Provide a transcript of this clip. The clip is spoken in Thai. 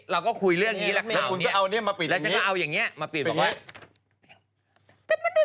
แล้วฉันก็เอาอย่างนี้มาปิด